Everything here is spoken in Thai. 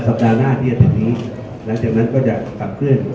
สัปดาห์หน้าที่อาทิตย์นี้หลังจากนั้นก็จะกลับขึ้น